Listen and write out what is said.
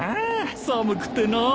寒くてなぁ。